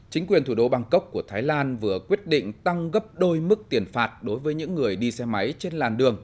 chính quyền thủ đô bangkok của thái lan vừa quyết định tăng gấp đôi mức tiền phạt đối với những người đi xe máy trên làn đường